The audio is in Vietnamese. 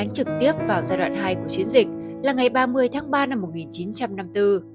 trực tiếp vào giai đoạn hai của chiến dịch là ngày ba mươi tháng ba năm một nghìn chín trăm năm mươi bốn